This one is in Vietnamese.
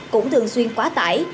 cũng thường xuyên quá tải